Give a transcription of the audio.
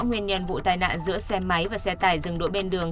nguyên nhân vụ tai nạn giữa xe máy và xe tải dừng độ bên đường